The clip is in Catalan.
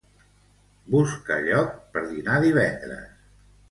Busca lloc per dinar divendres.